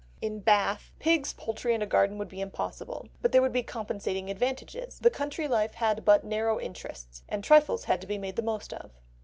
In Bath, pigs, poultry, and a garden would be impossible, but there would be compensating advantages. The country life had but narrow interests, and trifles had to be made the most of.